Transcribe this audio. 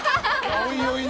おいおいね。